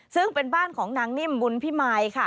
ซึ่งเป็นบ้านของนางนิ่มบุญพิมายค่ะ